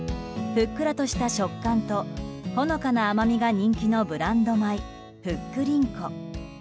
ふっくらとした食感とほのかな甘みが人気のブランド米ふっくりんこ。